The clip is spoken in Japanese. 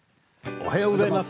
おはようございます。